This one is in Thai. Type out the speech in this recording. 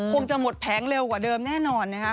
คงจะหมดแผงเร็วกว่าเดิมแน่นอนนะคะ